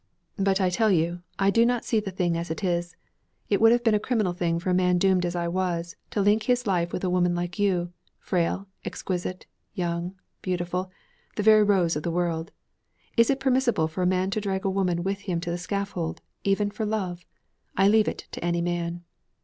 'But I tell you, you do not see the thing as it is. It would have been a criminal thing for a man doomed as I was, to link his life with a woman like you, frail, exquisite, young, beautiful, the very rose of the world. Is it permissible for a man to drag a woman with him to the scaffold, even for love? I leave it to any man.'